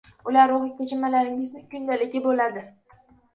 Ular ruhiy kechinmalaringizning kundaligi bo’ladi.